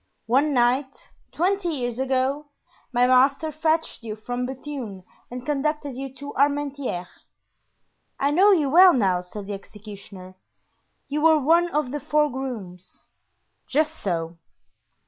"One night, twenty years ago, my master fetched you from Bethune and conducted you to Armentieres." "I know you well now," said the executioner; "you were one of the four grooms." "Just so."